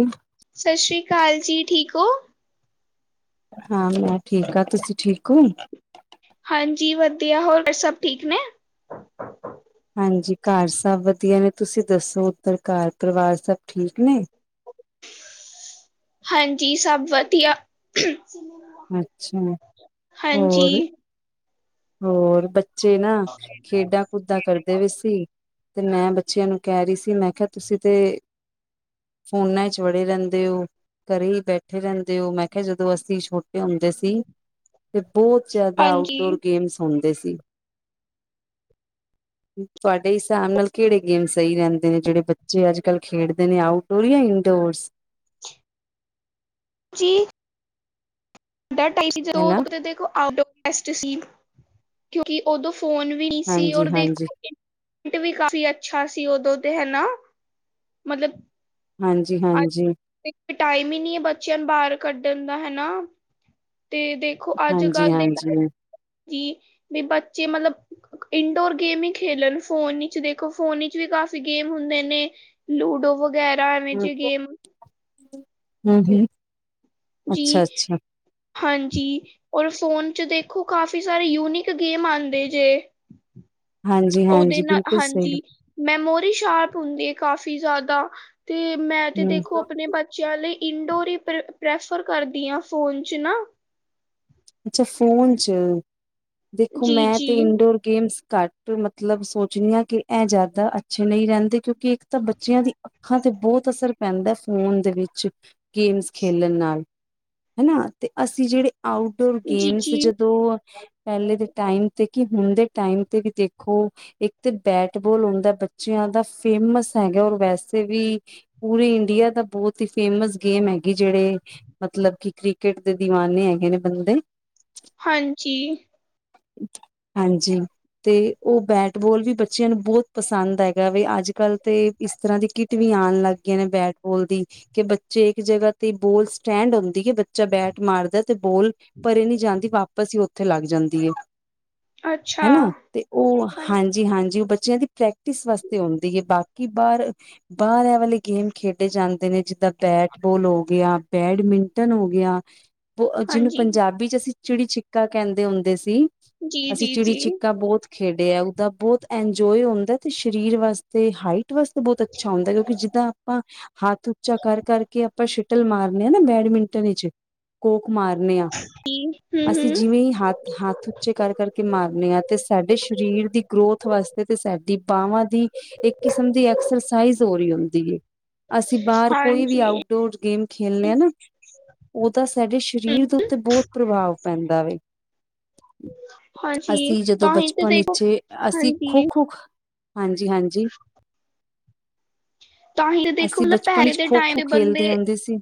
ਹੂੰ। ਸਤਿ ਸ੍ਰੀ ਅਕਾਲ ਜੀ ਠੀਕ ਓ। ਹਾਂ ਮੈਂ ਠੀਕ ਹਾਂ ਤੁਸੀਂ ਠੀਕ ਓ। ਹਾਂਜੀ ਵਧੀਆ ਹੋਰ ਸਭ ਠੀਕ ਨੇ। ਹਾਂਜੀ ਘਰ ਸਭ ਵਧੀਆ ਨੇ ਤੁਸੀਂ ਦੱਸੋ ਉੱਧਰ ਘਰ ਪਰਿਵਾਰ ਸਭ ਠੀਕ ਨੇ। ਹਾਂਜੀ ਸਭ ਵਧੀਆ। ਅੱਛਾ ਹਾਂਜੀ ਹੋਰ ਹੋਰ ਬੱਚੇ ਨਾ ਖੇਡਾਂ ਕੁਦਾਂ ਕਰਦੇ ਪਏ ਸੀ। ਤੇ ਮੈਂ ਬੱਚਿਆਂ ਨੂੰ ਕਹਿ ਰਹੀ ਸੀ ਮੈਂ ਕਿਹਾ ਤੁਸੀਂ ਤੇ ਫੋਨਾਂ 'ਚ ਵੜੇ ਰਹਿੰਦੇ ਓ। ਘਰੇ ਹੀ ਬੈਠੇ ਰਹਿੰਦੇ ਹੋ ਮੈਂ ਕਿਹਾ ਜਦੋਂ ਅਸੀਂ ਛੋਟੇ ਹੁੰਦੇ ਸੀ। ਤੇ ਬਹੁਤ ਜ਼ਿਆਦਾ ਹਾਂਜੀ ਆਊਟਡੋਰ ਗੇਮਸ ਹੁੰਦੇ ਸੀ। ਤੁਹਾਡੇ ਹਿਸਾਬ ਨਾਲ ਕਿਹੜੇ ਗੇਮ ਸਹੀ ਰਹਿੰਦੇ ਨੇ ਜਿਹੜੇ ਬੱਚੇ ਅੱਜ ਕੱਲ੍ਹ ਖੇਡਦੇ ਨੇ ਆਊਟ [unintelligible] ਇਨਡੋਰਸ ਜੀ। ਸਾਡਾ ਟਾਈਮ ਸੀ ਹਨਾ ਜਦੋਂ ਦੇਖ ਆਊਟਡੋਰ ਟੈਸਟ ਸੀ ਕਿਉਂਕਿ ਉਦੋਂ ਫੋਨ [inaudible] ਵੀ ਨਹੀਂ ਸੀ ਹਾਂਜੀ ਔਰ ਹਾਂਜੀ ਦੇਖੋ [unintelligible] ਇਟ ਵੀ ਕਾਫੀ ਅੱਛਾ ਸੀ ਉਦੋਂ ਤੇ ਹਨਾ ਮਤਲਬ ਹਾਂਜੀ- ਅੱਜ ਹਾਂਜੀ। ਟਾਈਮ ਹੀ ਨੀ ਹੈ, ਬੱਚਿਆਂ ਨੂੰ ਬਾਹਰ ਕੱਢਣ ਦਾ ਹਨਾ। ਤੇ ਦੇਖ ਦੇਖੋ ਅੱਜ ਕੱਲ ਦੇ ਟਮ ਹਾਂਜੀ-ਹਾਂਜੀ, ਜੀ, ਵੀ ਬੱਚੇ ਮਤਲਬ ਇੰਡੋਰ ਗੇਮ ਹੀ ਖੇਲਣ, ਫੋਨ ਈਚ ਚ ਦੇਖੋ ਫੋਨ ਈਚ ਵੀ ਕਾਫ਼ੀ ਗੇਮ ਹੁੰਦੇ ਨੇ। ਲੂਡੋ ਵਗੈਰਾ। ਐਵੇਂ ਹੂੰ, ਜੇ ਹੂੰ, ਗੇਮ ਹੂੰ। [unintelligible] ਜੀ। ਹਾਂਜੀ। ਔਰ ਫੋਨ ਚ ਦੇਖੋ ਕਾਫੀ ਸਾਰੇ ਯੂਨੀਿਕ ਗੇਮ ਆਉਂਦੇ ਜੇ। ਉਹਦੇ ਹਾਂਜੀ-ਹਾਂਜੀ, ਨਾਲ ਬਿਲਕੁਲ ਸਹੀ ਹਾਂਜੀ। ਮੈਮੋਰੀ ਸ਼ਾਰਪ ਹੁੰਦੀ ਹੈ, ਕਾਫ਼ੀ ਜ਼ਿਆਦਾ ਤੇ ਮੈਂ ਤੇ ਹੂੰ, ਦੇਖੋ ਆਪਣੇ ਬੱਚਿਆਂ ਲਈ ਇੰਡੋਰ ਹੀ, ਪ੍ਰ ਪ੍ਰੈਫਰ ਕਰਦੀ ਹਾਂ ਫੋਨ ਚ ਨਾ। ਅੱਛਾ ਫੋਨ ਚ, ਦੇਖੋ ਜੀ ਮੈਂ ਜੀ ਤੇ ਇੰਡੋਰ ਗੇਮਸ ਘੱਟ ਮਤਲਬ ਸੋਚਣੀ ਹ, ਕਿ ਇਹ ਜ਼ਿਆਦਾ ਅੱਛੇ ਨਹੀਂ ਰਹਿੰਦੇ। ਕਿਉਂਕਿ ਇੱਕ ਤਾਂ ਬੱਚਿਆਂ ਦੀ- ਆੱਖਾਂ ਤੇ ਬਹੁਤ ਅਸਰ ਪੈਂਦਾ ਫੋਨ ਦੇ ਵਿੱਚ। ਗੇਮਸ ਖੇਲਣ ਨਾਲ, ਹਨਾ। ਤੇ ਅਸੀਂ ਜਿਹੜੇ ਆਊਟਡੋਰ ਜੀ ਗੇਮਸ ਜੀ ਜਦੋਂ ਪਹਿਲੇ ਦੇ ਟਾਈਮ ਤੇ ਕਿ, ਹੁਣ ਦੇ ਟਾਈਮ ਤੇ ਵੀ ਦੇਖੋ। ਇੱਕ ਤਾਂ ਬੈਟਬੋਲ ਹੁੰਦਾ, ਬੱਚਿਆਂ ਦਾ ਫੇਮਸ ਹੈਗਾ ਔਰ ਵੈਸੇ ਵੀ। ਪੂਰੇ ਇੰਡੀਆ ਦਾ ਬਹੁਤ ਹੀ, ਫੇਮਸ ਗੇਮ ਹੈਗੀ ਜਿਹੜੇ ਮਤਲਬ ਕਿ ਕ੍ਰਿਕਟ ਦੇ ਦੀਵਾਨੇ ਹੈਗੇ ਨੇ ਬੰਦੇ। ਹਾਂਜੀ। ਹਾਂਜੀ। ਤੇ ਉਹ ਬੈਟਬੋਲ ਵੀ, ਬੱਚਿਆਂ ਨੂੰ ਬਹੁਤ ਪਸੰਦ ਹੈਗਾ। ਵੀ ਅੱਜ ਕੱਲ ਤੇ ਇਸ ਤਰਾਂ ਦੀ ਕਿੱਟ ਵੀ ਆਉਣ ਲੱਗ ਗਈ ਨੇ। ਬੈਟਬੋਲ ਦੀ ਕਿ ਬੱਚੇ ਇੱਕ ਜਗਾ ਤੇ ਬੋਲ ਸਟੈਂਡ ਆਉਂਦੀ ਹੈ ਕਿ, ਬੱਚਾ ਬੈਟ ਮਾਰਦਾ ਤੇ ਬੋਲ ਪਰੇ ਨਹੀਂ ਜਾਂਦੀ। ਵਾਪਸ ਹੀ, ਉੱਥੇ ਲੱਗ ਜਾਂਦੀ ਹੈ, ਅੱਛਾ ਹਨਾ। ਤੇ ਉਹ ਹਾਂ- ਹਾਂਜੀ- ਹਾਂਜੀ ਉਹ ਬੱਚਿਆਂ ਦੀ ਪ੍ਰੈਕਟਿਸ ਵਾਸਤੇ ਹੁੰਦੀ ਹੈ। ਬਾਕੀ ਬਾਹਰ ਬਾਹਰ ਏ ਵਾਲੇ ਗੇਮ ਖੇਡੇ ਜਾਂਦੇ ਨੇ। ਜਿੱਦਾਂ ਬੈਟ- ਬੋਲ ਹੋ ਗਿਆ, ਬੈਡਮਿੰਟਨ ਹੋ ਗਿਆ। ਜਿਹਨੂੰ [unintelligible] ਹਾਂਜੀ ਾਬੀ ਚ ਅਸੀਂ ਚਿੜੀ ਛਿੱਕਾ ਕਹਿੰਦੇ ਹੁੰਦੇ ਸੀ। ਜੀ ਅਸੀਂ ਜੀ ਚਿੜੀ ਜੀ ਛਿੱਕਾ ਬਹੁਤ ਖੇਡੇ ਆ। ਉਹਦਾ ਬਹੁਤ ਇੰਜੋਏ ਹੁੰਦਾ ਤੇ, ਸਰੀਰ ਵਾਸਤੇ ਹਾਈਟ ਵਾਸਤੇ ਬਹੁਤ ਅੱਛਾ ਹੁੰਦਾ। ਕਿਉਂਕਿ ਜਿੱਦਾਂ ਆਪਾਂ ਹੱਥ ਉੱਚਾ ਕਰ- ਕਰ ਕੇ ਆਪਾਂ ਸ਼ਟਲ ਮਾਰਨੇ ਹਾਂ, ਨਾ। ਬੈਡਮਿੰਟਨ ਵਿੱਚ, ਕੋਕ ਮਾਰਨੇ ਆ। [inaudible] [inaudible] ਅਸੀਂ ਹੂੰ-ਹੂੰ। ਜਿਵੇਂ ਹੀ। ਹੱਥ, ਹੱਥ ਉਚੇ ਕਰ- ਕਰ ਕੇ ਮਾਰਨੇ ਆ। ਤੇ ਸਾਡੇ ਸਰੀਰ ਦੀ ਗਰੋਥ ਵਾਸਤੇ, ਤੇ ਸਾਡੀ ਬਾਹਵਾਂ ਦੀ। ਇੱਕ ਕਿਸਮ ਦੀ ਐਕਸਰਸਾਈਜ਼ ਹੋ ਰਹੀ ਹੁੰਦੀ ਹੈ। ਅਸੀਂ ਬਾਹਰ ਕੋਈ ਵੀ ਹਾਂਜੀ, ਆਊਟ ਡੋਰ ਗੇਮ ਖੇਲਣੇ ਆ ਨਾ। ਉਹ ਤਾਂ ਸਾਡੇ ਸਰੀਰ ਤੋਂ ਤੇ ਬਹੁਤ ਪ੍ਰਭਾਵ ਪੈਂਦਾ ਵੇ। ਹਾਂਜੀ ਅਸੀਂ ਜਦੋਂ ਤਾਂਹੀ ਤੇ ਬਚਪਨ ਦੇਖੋ ਵਿੱਚ, ਅਸੀਂ ਖੋ- ਹਾਂਜੀ ਖੋ। ਹਾਂਜੀ- ਹਾਂਜੀ। ਤਾਂਹੀ ਤੇ ਦੇਖੋ ਅਸੀਂ ਮਤਲਬ ਬਚਪਨ ਪਹਿਲੇ ਵਿੱਚ, ਦੇ ਖੋ- ਟਾਈਮ ਖੋ ਖੇਡਦੇ ਆਉਂਦੇ ਸੀ।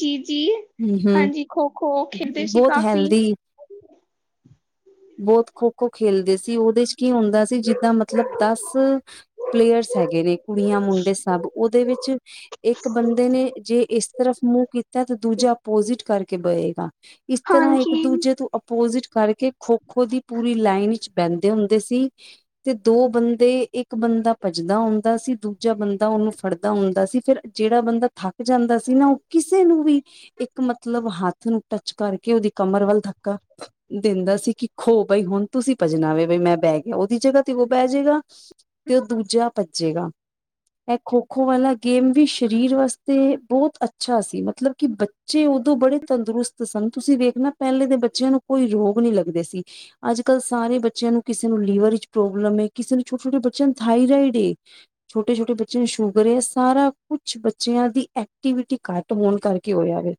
ਜੀ- ਜੀ, ਹੂੰ-ਹੂੰ। ਹਾਂਜੀ ਖੋ- ਖੋ ਖੇਡਦੇ ਸੀ ਬਹੁਤ ਕਾਫ਼ੀ। ਹੈਲਦੀ ਬਹੁਤ ਖੋ- ਖੋ ਖੇਲਦੇ ਸੀ, ਉਹਦੇ ਚ। ਕੀ ਹੁੰਦਾ ਸੀ। ਜਿੱਦਾਂ ਮਤਲਬ ਦਸ ਪਲੇਅਰਸ ਹੈਗੇ ਨੇ। ਕੁੜੀਆਂ ਮੁੰਡੇ ਸਭ ਉਹਦੇ ਵਿੱਚ ਇੱਕ ਬੰਦੇ ਨੇ ਜੇ ਇਸ ਤਰਫ ਮੂੰਹ ਕੀਤਾ ਤੇ, ਦੂਜਾ ਆਪੋਜਿਟ ਬਏਗਾ। ਇਸ ਤਰਾਂ ਇੱਕ ਹਾਂਜੀ। ਦੂਜੇ ਤੋਂ ਅੋਪੋਜਿਟ ਕਰਕੇ। ਖੋ- ਖੋ ਦੀ ਪੂਰੀ ਲਾਈਨ ਵਿੱਚ, ਬਹਿੰਦੇ ਹੁੰਦੇ ਸੀ। ਤੇ ਦੋ ਬੰਦੇ, ਇੱਕ ਬੰਦਾ ਭੱਜਦਾ ਹੁੰਦਾ ਸੀ। ਦੂਜਾ ਬੰਦਾ ਉਹਨੂੰ ਫੜਦਾ ਹੁੰਦਾ ਸੀ। ਫੇਰ ਜਿਹੜਾ ਬੰਦਾ ਥੱਕ ਜਾਂਦਾ ਸੀ ਨਾ, ਉਹ ਕਿਸੇ ਨੂੰ ਵੀ ਇੱਕ ਮਤਲਬ ਮਤਲਬ ਹੱਥ ਨੂੰ ਟੱਚ ਕਰਕੇ, ਉਹਦੀ ਕਮਰ ਵੱਲ ਧੱਕਾ ਦਿੰਦਾ ਸੀ ਕਿ ਖੋ ਬਾਈ ਹੁਣ ਤੁਸੀਂ ਭੱਜਣਾ ਵ ਬ ਮੈਂ ਬਹਿ ਗਿਆ ਉਹਦੀ ਜਗ੍ਹਾ ਤੇ ਉਹ ਬਹਿ ਜਾੇਗਾ ਤੇ ਉਹ ਦੂਜਾ ਭੱਜੇਗਾ ਇਹ ਖੋ ਖੋ ਵਾਲਾ ਗੇਮ ਵੀ ਸਰੀਰ ਵਾਸਤੇ ਬਹੁਤ ਅੱਛਾ ਸੀ ਮਤਲਬ ਕਿ ਬੱਚੇ ਬੜੇ ਤੰਦਰੁਸਤ ਸਨ ਤੁਸੀਂ ਵੇਖਣਾ ਪਹਿਲੇ ਦੇ ਬੱਚਿਆਂ ਨੂੰ ਕੋਈ ਰੋਗ ਨ ਲੱਗਦੇ ਸੀ ਅੱਜ ਕੱਲ੍ਹ ਸਾਰੇ ਬੱਚਿਆਂ ਨੂੰ ਕਿਸੇ ਨੂੰ ਲੀਵਰ ਵਿੱਚ ਪ੍ਰੋਬਲਮ ਕਿਸੇ ਨੂੰ ਛੋਟੇ ਛੋਟੇ ਬੱਚਿਆਂ ਨੂੰ ਥਾਈਰਾਇਡ ਛੋਟੇ ਛੋਟੇ ਬੱਚੇ ਨੂੰ ਸ਼ੂਗਰ ਹੈ ਸਾਰਾ ਕੁਛ ਬੱਚਿਆਂ ਦੀ ਐਕਟੀਵਿਟੀ ਘੱਟ ਹੋਣ ਕਰਕੇ ਹੋਇਆ ਵ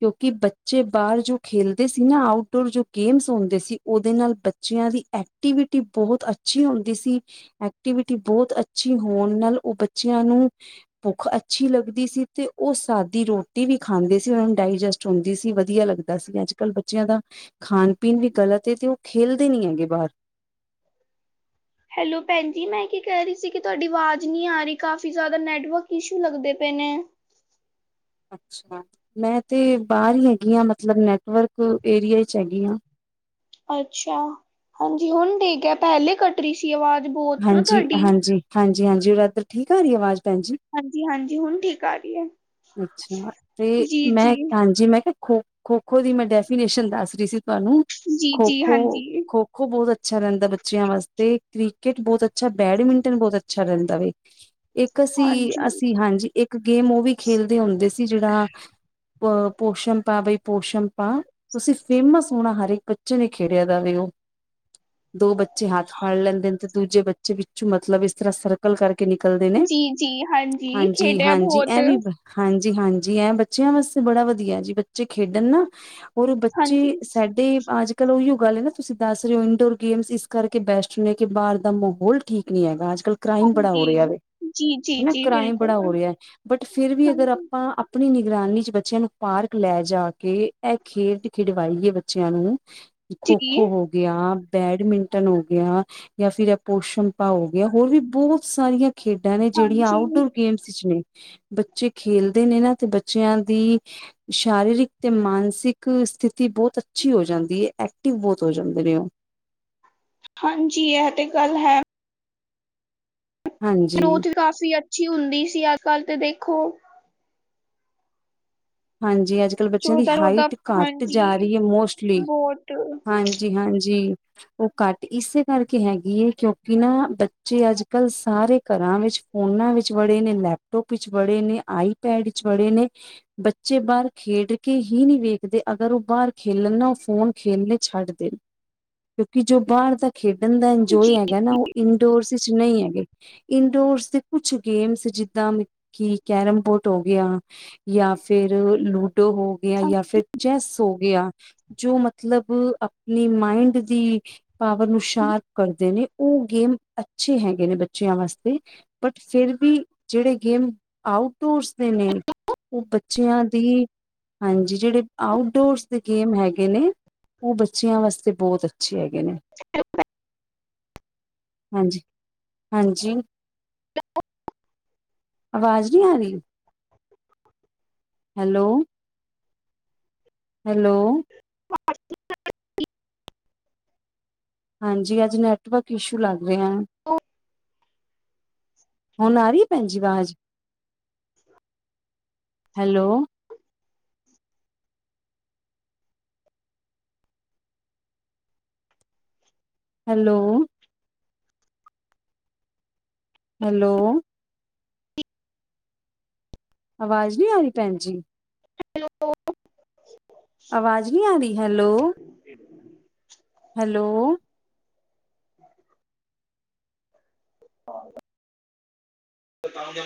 ਕਿਉਂਕਿ ਬੱਚੇ ਬਾਹਰ ਜੋ ਖੇਲਦੇ ਸੀ ਨਾ ਆਊਟਡੋਰ ਜੋ ਗੇਮਸ ਹੁੰਦੇ ਸੀ ਉਹਦੇ ਨਾਲ ਬ ਬੱਚਿਆਂ ਦੀ ਐਕਟੀਵਿਟੀ ਬਹੁਤ ਅੱਛੀ ਹੁੰਦੀ ਸੀ ਐਕਟੀਵਿਟੀ ਬਹੁਤ ਅੱਛੀ ਹੋਣ ਨਾਲ ਉਹ ਬੱਚਿਆਂ ਨੂੰ ਭੁੱਖ ਅੱਛੀ ਲੱਗਦੀ ਸੀ ਤੇ ਉਹ ਸਾਦੀ ਰੋਟੀ ਟੀ ਵੀ ਖਾਂਦੇ ਸੀ ਉਹਨਾਂ ਨੂੰ ਡਾਇਜੈਸਟ ਹੁੰਦੀ ਸੀ ਵਧੀਆ ਲੱਗਦਾ ਸੀ ਅੱਜ ਕੱਲ੍ਹ ਬੱਚਿਆਂ ਦਾ ਖਾਣ ਪੀਣ ਵੀ ਗਲਤ ਏ ਤੇ ਉਹ ਖੇਲਦੇ ਨੀ ਹੈਗੇ ਬਾਹਰ ਹੈਲੋ ਭੈਣ ਜੀ ਮੈਂ ਕੀ ਕਹਿ ਰਹੀ ਸੀ ਕਿ ਤੁਹਾਡੀ ਆਵਾਜ਼ ਨਹੀਂ ਆ ਰਹੀ ਕਾਫੀ ਜ਼ਿਆਦਾ ਨੈਟਵਰਕ ਇਸ਼ੂ ਲੱਗਦੇ ਪਏ ਨੇ ਅੱਛਾ ਮੈਂ ਤੇ ਬਾਹਰ ਹੀ ਹੈਗੀ ਹਾਂ ਮਤਲਬ ਨੈਟਵਰਕ ਏਰੀਏ ਚ ਹੈਗੀ ਹਾਂ ਅੱਛਾ ਹਾਂਜੀ ਹੁਣ ਠੀਕ ਹੈ ਪਹਿਲੇ ਕੱਟ ਰਹੀ ਸੀ ਆਵਾਜ਼ ਬਹੁਤ ਨਾ ਹਾਂਜੀ ਤੁਹਾਡੀ ਹਾਂਜੀ ਹਾਂਜੀ -ਹਾਂਜੀ ਉਧਰ ਠੀਕ ਆ ਰਹੀ ਆਵਾਜ਼ ਭੈਣਜੀ ਹਾਂਜੀ -ਹਾਂਜੀ ਹੁਣ ਠੀਕ ਆ ਰਹੀ ਹੈ ਅੱਛਾ ਤੇ ਜੀ ਮੈਂ ਜੀ ਹਾਂਜੀ ਮੈਂ ਕਿਹਾ ਖੋ ਖੋ ਖੋ ਦੀ ਮੈਂ ਡੈਫੀਨੇਸ਼ਨ ਦੱਸ ਰਹੀ ਸੀ ਤੁਹਾਨੂੰ ਜੀ ਖੋ ਜੀ ਖੋ ਹਾਂਜੀ ਖੋ ਖੋ ਬਹੁਤ ਅੱਛਾ ਰਹਿੰਦਾ ਬੱਚਿਆਂ ਵਾਸਤੇ ਕ੍ਰਿਕਟ ਬਹੁਤ ਅੱਛਾ ਬੈਡਮਿੰਟਨ ਬਹੁਤ ਅੱਛਾ ਰਹਿੰਦਾ ਵੇ ਇੱਕ ਅਸੀਂ ਹਾਂਜੀ -ਅਸੀਂ ਹਾਂਜੀ ਇੱਕ ਗੇਮ ਉਹ ਵੀ ਖੇਲਦੇ ਹੁੰਦੇ ਸੀ ਜਿਹੜਾ ਅ ਪੋਸ਼ੰਪਾ ਬਈ ਪੋਸ਼ੰਪਾ ਤੁਸੀਂ ਫੇਮਸ ਹੋਣਾ ਹਰ ਇੱਕ ਬੱਚੇ ਨੇ ਖੇਡਿਆ ਦਾਵੇ ਉਹ ਦੋ ਬੱਚੇ ਹੱਥ ਫੜ ਲੈਂਦੇ ਨੇ ਤੇ ਦੂਜੇ ਬੱਚੇ ਵਿੱਚੋਂ ਮਤਲਬ ਇਸ ਤਰ੍ਹਾਂ ਸਰ ਨਕਲ ਕਰਕੇ ਨਿਕਲਦੇ ਨੇ ਜੀ ਜੀ ਹਾਂਜੀ ਖੇਡਿਆ -ਹਾਂਜੀ ਬਹੁਤ ਐ ਵੀ ਹਾਂਜੀ- ਹਾਂਜੀ ਐ ਬੱਚਿਆਂ ਵਾਸਤੇ ਬੜਾ ਵਧੀਆ ਜੀ ਬੱਚੇ ਖੇਡਣ ਨਾ ਹੋਰ ਬੱਚੇ ਹਾਂਜੀ ਸਾਡੇ ਅੱਜ ਚਲੋ ਉੋ ਗੱਲ ਹੈ ਨਾ ਤੁਸੀਂ ਦੱਸ ਰਹੇ ਹੋ ਇੰਨਡੋਰ ਗੇਮਸ ਇਸ ਕਰਕੇ ਬੈਸਟ ਨੇ ਕਿ ਬਾਹਰ ਦਾ ਮਾਹੌਲ ਠੀਕ ਨਹੀਂ ਹੈਗਾ ਅੱਜ ਕੱਲ੍ਹ ਕ੍ਰਾਈਮ ਬੜਾ ਹੋ ਹਾਂਜੀ ਰਿਹਾ ਵ ਜੀ ਜੀ ਹਨਾ ਜੀ ਕ੍ਰਾਈਮ ਬਿਲਕੁਲ ਬੜਾ ਹੋ ਰਿਹਾ ਹੈ ਬਟ ਫਿਰ ਵੀ ਅਗਰ ਹਾਂਜੀ ਆਪਾਂ ਆਪਣੀ ਨਿਗਰਾਨੀ ਚ ਬੱਚਿਆਂ ਨੂੰ ਪਾਰਕ ਲੈ ਜਾ ਕੇ ਇਹ ਖੇਡ ਖਿਡਵਾਈਏ ਬੱਚਿਆਂ ਨੂੰ ਖੋ ਜੀ ਖੋ ਹੋ ਗਿਆ ਬੈਡਮਿੰਟਨ ਹੋ ਗਿਆ ਜਾਂ ਫਿਰ ਇਹ ਪੋਸ਼ਣ ਭਾ ਹੋ ਗਿਆ ਹੋਰ ਵੀ ਬਹੁਤ ਸਾਰੀਆਂ ਖੇਡਾਂ ਨੇ ਜਿਹੜੀਆਂ ਹਾਂਜੀ ਆਊਟਡੋਰ ਗੇਮਸ ਚ ਨੇ ਬ ਬੱਚੇ ਖੇਲਦੇ ਨੇ ਨਾ ਤੇ ਬੱਚਿਆਂ ਦੀ ਸ਼ਰੀਰਿਕ ਤੇ ਮਾਨਸਿਕ ਸਥਿਤੀ ਬਹੁਤ ਅੱਛੀ ਹੋ ਜਾਂਦੀ ਹੈ ਐਕਟਿਵ ਬਹੁਤ ਹੋ ਜਾਂਦੇ ਨੇ ਉਹ ਹਾਂਜੀ ਇਹ ਤੇ ਗੱਲ ਹੈ ਹਾਂਜੀ ਗਰੋਥ ਵੀ ਕਾਫੀ ਅੱਛੀ ਹੁੰਦੀ ਸੀ ਅੱਜ ਕੱਲ੍ਹ ਤੇ ਦੇਖੋ ਹਾਂਜੀ ਅੱਜ ਕੱਲ੍ਹ ਬੱਚਿਆਂ ਦੀ ਚੌਦਾਂ ਚੌਦਾਂ ਹਾਈਟ ਘੱਟ ਜਾ ਹਾਂਜੀ ਰਹੀ ਹੈ ਮੋਸਟਲੀ ਬਹੁਤ ਹਾਂ ਜੀ ਹਾਂਜੀ ਉਹ ਘੱਟ ਇਸੇ ਕਰਕੇ ਹੈਗੀ ਹੈ ਕਿਉਂਕਿ ਨਾ ਬੱਚੇ ਅੱਜ ਕੱਲ੍ਹ ਸਾਰੇ ਘਰਾਂ ਵਿੱਚ ਫੋਨਾ ਵਿੱਚ ਬੜੇ ਨੇ ਲੈਪਟੋਪ ਵਿਚ ਬੜੇ ਨੇ ਆਈਪੈਡ ਵਿਚ ਬੜੇ ਨੇ ਬੱਚੇ ਬਾਹਰ ਖੇਡ ਕੇ ਹੀ ਨਹੀਂ ਵੇਖਦੇ ਅਗਰ ਉਹ ਬਾਹਰ ਖੇਲਣ ਨਾ ਉਹ ਫੋਨ ਖੇਲਣੇ ਛੱਡ ਦੇਣ ਕਿਉਂਕਿ ਜੋ ਬਾਹਰ ਦਾ ਖੇਡਣ ਦਾ ਇੰਜੋਏ ਜੀ ਹੈਗਾ ਨਾ ਉਹ ਇੰਡੋਰਸ ਵਿੱਚ ਨਹੀਂ ਹੈਗੇ ਇੰਡੋਰਸ ਦੇ ਕੁਛ ਗੇਮਸ ਜਿੱਦਾਂ ਮ ਕਿ ਕੈਰਮ ਬੋਰਡ ਹੋ ਗਿਆ ਜਾਂ ਫਿਰ ਲੂਡੋ ਹੋ ਗਿਆ ਜਾਂ ਫਿਰ ਚੈੱਸ ਹੋ ਗਿਆ ਜੋ ਮਤਲਬ ਆਪਣੀ ਮਾਇੰਡ ਦੀ ਪਾਵਰ ਨੂੰ ਸ਼ਾਰਪ ਹਾਂਜੀ ਕਰਦੇ ਨੇ ਉਹ ਗੇਮ ਅੱਛੇ ਹੈਗੇ ਨੇ ਬੱਚਿਆਂ ਵਾਸਤੇ ਬਟ ਫੇਿਰ ਵੀ ਜਿਹੜੇ ਗੇਮ ਆਊਟਡੋਰਸ ਦੇ ਨੇ ਉਹ ਬੱਚਿਆਂ ਦੀ ਹਾਂਜੀ ਜਿਹੜੇ ਆਊਟਡੋਰਸ ਦੇ ਗੇਮ ਹੈਗੇ ਨੇ ਉਹ ਬੱਚਿਆਂ ਵਾਸਤੇ ਬਹੁਤ ਅੱਛੇ ਹੈਗੇ ਹੂ ਜੀ ਹਾਂਜੀ ਆਵਾਜ਼ ਨਹੀਂ ਆ ਰਹੀ ਹੈਲੋ ਹੈਲੋ ਹਾਂਜੀ ਅੱਜ ਨੈਟਵਰਕ ਇਸ਼ੂ ਲੱਗ ਰਿਹਾ ਹੁਣ ਆ ਰਹੀ ਹੈ ਭੈਣਜੈੀ ਆਵਾਜ਼ ਹੈਲੋ ਹੈਲੋ ਹੈਲੋ ਆਵਾਜ਼ ਨਹੀਂ ਆ ਰਹੀ ਭੈਣ ਜੀ ਹੈਲੋ ਆਵਾਜ ਨੀ ਆ ਰੀ ਹੈਲੋ ਹੈਲੌ [unintelligible]